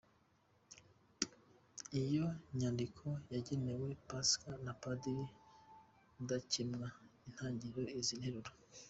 Iyo nyandiko yagenewe Pasika na Padiri Rudakemwa itangirana izi nteruro.